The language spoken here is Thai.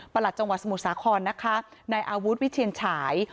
หลัดจังหวัดสมุทรสาครนะคะในอาวุธวิเชียนฉาย